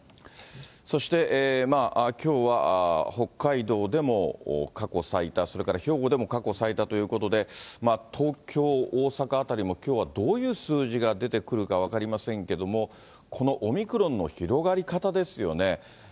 そしてきょうは、北海道でも過去最多、それから兵庫でも過去最多ということで、東京、大阪あたりもきょうはどういう数字が出てくるか分かりませんけれども、このオミクロンの広がり方ですよね。